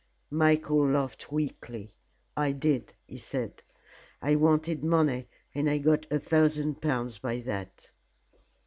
Michael laughed weakly. "I did," he said. "I wanted money and I got a thousand pounds by that."